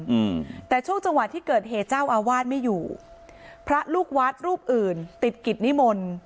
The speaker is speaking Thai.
อืมแต่ช่วงจังหวะที่เกิดเหตุเจ้าอาวาสไม่อยู่พระลูกวัดรูปอื่นติดกิจนิมนต์